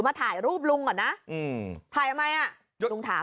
มาถ่ายรูปลุงก่อนนะถ่ายทำไมอ่ะ